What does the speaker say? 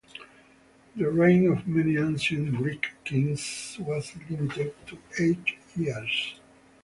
The reign of many ancient Greek kings was limited to eight years.